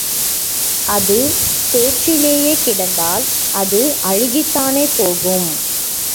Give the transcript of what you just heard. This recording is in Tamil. அது சேற்றிலேயே கிடந்தால், அது அழுகித்தானே போகும்?